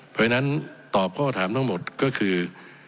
เพราะฉะนั้นตอบข้อถามทั้งหมดก็คือ